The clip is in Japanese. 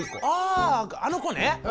あああの子ね！